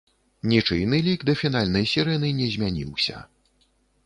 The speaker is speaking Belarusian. Нічыйны лік да фінальнай сірэны не змяніўся.